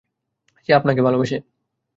সে আপনাকে ভালোবাসে।